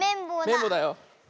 めんぼうだよ。